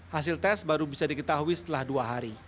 hasil tes baru bisa diketahui setelah dua hari